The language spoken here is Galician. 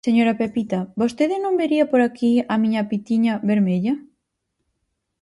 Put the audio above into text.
_Señora Pepita, ¿vostede non vería por aquí a miña pitiña vermella?